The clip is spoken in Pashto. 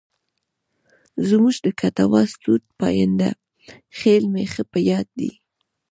زموږ د کټواز ټوټ پاینده خېل مې ښه په یاد دی.